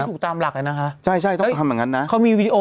ถูกตามหลักอ่ะนะคะใช่ใช่ต้องทำอย่างนั้นนะเขามีวีดีโอ